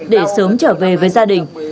để sớm trở về với gia đình